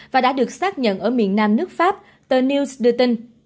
và đã được xác nhận ở miền nam nước pháp tờ news đưa tin